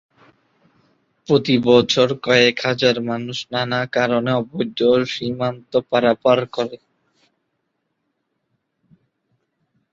প্রতি বছর কয়েক হাজার মানুষ নানা কারণে অবৈধভাবে সীমান্ত পারাপার করে।